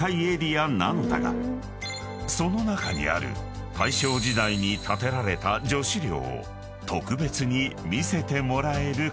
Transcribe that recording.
［その中にある大正時代に建てられた女子寮を特別に見せてもらえることに］